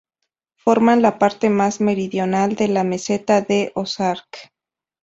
Forman la parte más meridional de la Meseta de Ozark.